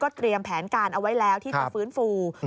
เตรียมแผนการเอาไว้แล้วที่จะฟื้นฟู